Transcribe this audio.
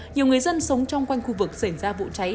nhiều người dân sống trong quanh khu vực xảy ra vụ cháy